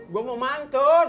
gua mau mantun